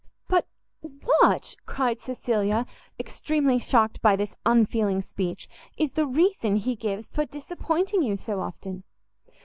"But what," cried Cecilia, extremely shocked by this unfeeling speech, "is the reason he gives for disappointing you so often?"